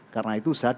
karena itu saya tidak